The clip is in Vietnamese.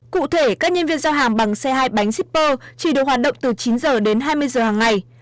cụ thể các nhân viên giao hàng bằng xe hai bánh shipper chỉ được hoạt động từ chín h đến hai mươi h hàng ngày